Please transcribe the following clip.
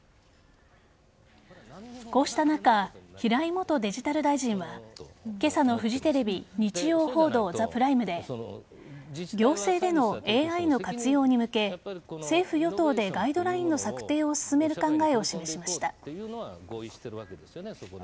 こうした中平井元デジタル大臣は今朝のフジテレビ「日曜報道ＴＨＥＰＲＩＭＥ」で行政でのＡＩの活用に向け政府与党でガイドラインの策定を進める考えを示しました。